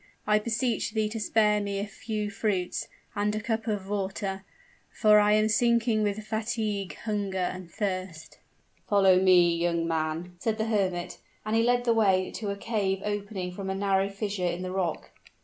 I beseech thee to spare me a few fruits, and a cup of water, for I am sinking with fatigue, hunger, and thirst." "Follow me, young man," said the hermit; and he led the way to a cave opening from a narrow fissure in the rock.